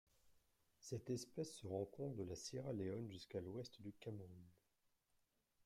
Cette espèce se rencontre de la Sierra Leone jusqu'à l'Ouest du Cameroun.